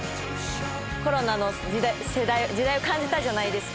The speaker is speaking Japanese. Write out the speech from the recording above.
コロナの世代時代を感じたじゃないですか